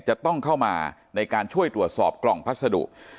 จะต้องเข้ามาในการช่วยตรวจสอบกล่องพัสดุ